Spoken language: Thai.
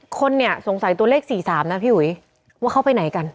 คนเนี่ยสงสัยตัวเลข๔๓นะพี่อุ๋ยว่าเขาไปไหนกัน